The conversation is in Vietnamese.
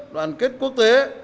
đoàn kết quốc tế